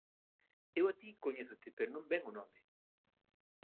Eu a ti coñézote, pero non vén o nome